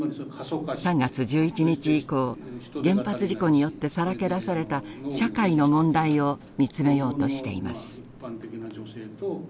３月１１日以降原発事故によってさらけ出された社会の問題を見つめようとしています。